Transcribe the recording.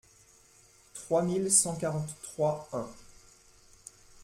trois mille cent quarante-trois-un.